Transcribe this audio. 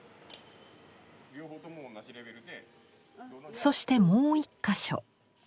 そしてもう１か所。